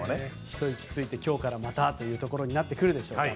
ひと息ついて今日からまたということになってくるんでしょうか。